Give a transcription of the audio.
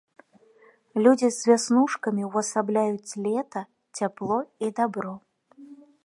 Людзі з вяснушкамі ўвасабляюць лета, цяпло і дабро.